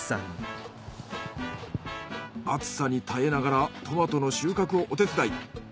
暑さに耐えながらトマトの収穫をお手伝い。